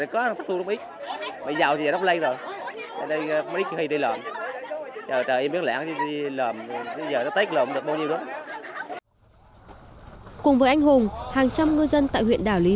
cùng với anh hùng hàng trăm ngư dân tại huyện đảo lý